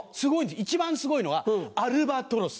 一番すごいのはアルバトロス。